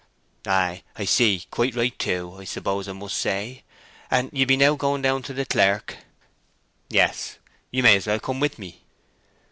"Ay, I see: quite right, too, I suppose I must say. And you be now going down to the clerk." "Yes; you may as well come with me."